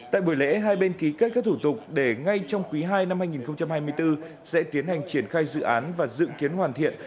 tại buổi lễ hai bên ký kết các thủ tục để ngay trong quý ii năm hai nghìn hai mươi bốn sẽ tiến hành triển khai dự án và dự kiến hoàn thiện